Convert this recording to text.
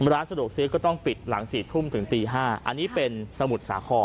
ร้านสะดวกซื้อก็ต้องปิดหลัง๔ทุ่มถึงตี๕อันนี้เป็นสมุทรสาคร